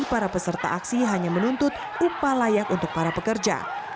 para peserta aksi hanya menuntut upah layak untuk para pekerja